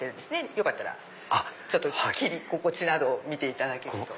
よかったら切り心地などを見ていただけると。